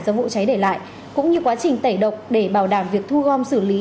do vụ cháy để lại cũng như quá trình tẩy độc để bảo đảm việc thu gom xử lý